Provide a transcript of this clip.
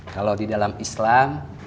kalau di dalam islam